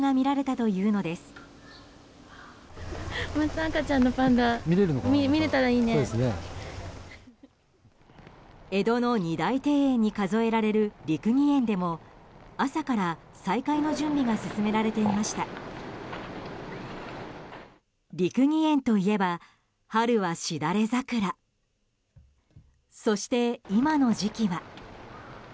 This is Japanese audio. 六義園といえば春はシダレザクラそして、今の時期は。